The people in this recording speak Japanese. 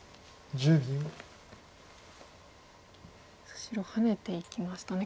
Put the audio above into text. さあ白ハネていきましたね。